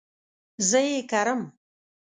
زه ئې کرم